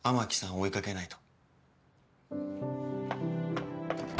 追いかけないと。